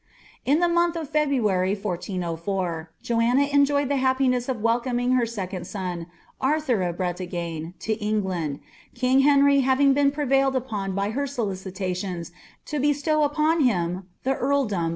In the month of February, 1404, Joanna enjoyed the happiness of wdcouiing ber second son, Arthur of Breiagne, to England, kiug Henry having been prevailed upon by her solicitations to bestow upon him the ■Ctiton.